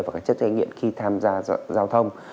và chất gây nghiệm khi tham gia giao thông